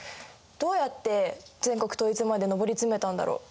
どうやって全国統一まで上り詰めたんだろう？